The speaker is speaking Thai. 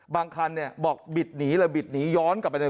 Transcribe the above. บางคันบอกบิดหนีแบบบิดหนีย้อนกลับไปแล้วกัน